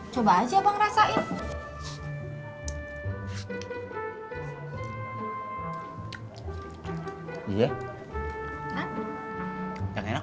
coba saja capai rasanya pak